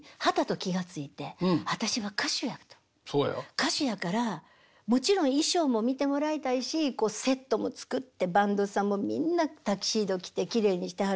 歌手やからもちろん衣装も見てもらいたいしこうセットも作ってバンドさんもみんなタキシード着てきれいにしてはる。